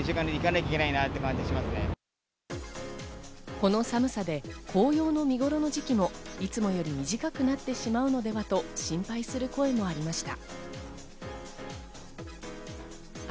この寒さで紅葉の見頃の時期もいつもより短くなってしまうのではと心配する声もありました。